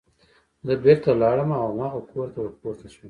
زه بېرته لاړم او هماغه کور ته ور پورته شوم